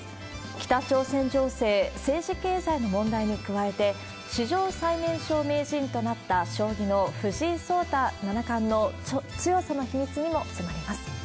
北朝鮮情勢、政治、経済の問題に加えて、史上最年少名人となった将棋の藤井聡太七冠の強さの秘密にも迫ります。